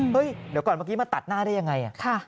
เดี๋ยวก่อนเมื่อกี้มาตัดหน้าได้ยังไง